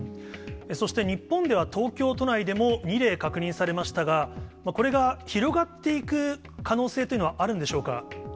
そして、日本では東京都内でも２例確認されましたが、これが広がっていく可能性というのはあるんでしょうか。